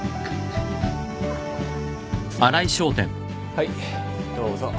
はいどうぞ。